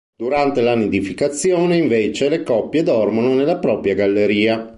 Durante la nidificazione, invece, le coppie dormono nella propria galleria.